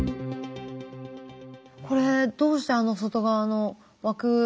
これどうして外側の枠。